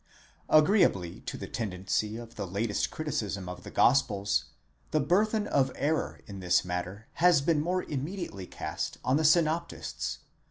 Agreeably to the tendency of the latest criticism of the gospels, the burther of error in this matter has been more immediately cast on the synoptists.